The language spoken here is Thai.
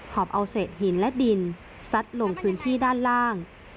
อบเอาเศษหินและดินซัดลงพื้นที่ด้านล่าง